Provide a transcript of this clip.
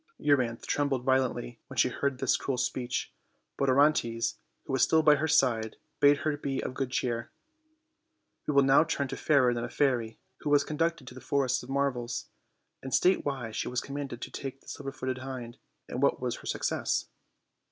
Euryantbe trembled violently when she heard this cruel speech; but Orontes, who was still by her side, bade her be of good cheer. We will now turn to Fairer than a Fairy (who was con ducted to the Forest of Marvels), and state why she was commanded to take the silver footed hind, and what was her success.